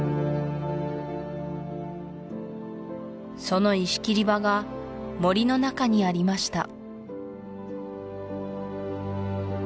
その石切り場が森の中にありました